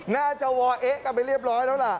น่าจะวอเอ๊ะกันไปเรียบร้อยแล้วล่ะ